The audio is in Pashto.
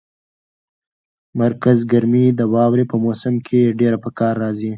مرکز ګرمي د واورې په موسم کې ډېره په کار راځي.